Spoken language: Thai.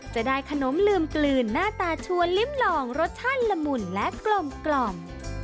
จะได้ขนมลืมกลืนหน้าตาชวนลิ้มลองรสชาติละมุนและกลม